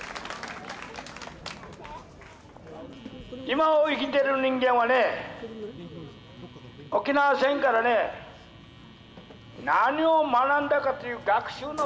今を生きてる人間はね沖縄戦から何を学んだかという学習の場であるのが６．２３だ。